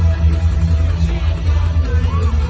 มันเป็นเมื่อไหร่แล้ว